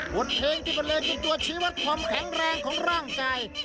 บทเพลงที่มันเลยเป็นตัวชีวัตรความแข็งแรงของร่างกาย